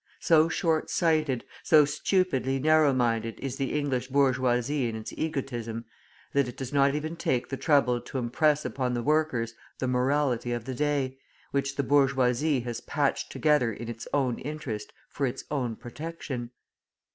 So short sighted, so stupidly narrow minded is the English bourgeoisie in its egotism, that it does not even take the trouble to impress upon the workers the morality of the day, which the bourgeoisie has patched together in its own interest for its own protection!